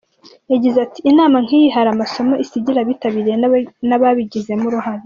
Yagize ati “Inama nk’iyi hari amasomo isigira abitabiriye n’ababigizemo uruhare.